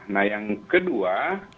nah yang kedua